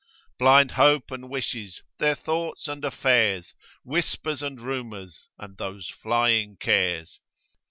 Blind hopes and wishes, their thoughts and affairs, Whispers and rumours, and those flying cares.